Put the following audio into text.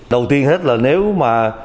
đầu tiên hết là nếu mà